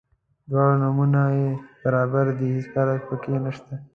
دواړه نومونه یې برابر دي هیڅ فرق په کې نشته.